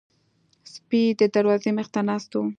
سپي د دروازې مخې ته ناست وو.